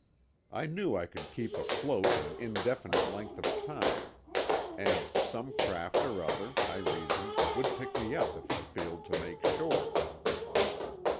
I knew I could keep afloat an indefinite length of time, and some craft or other, I reasoned, would pick me up if I failed to make shore.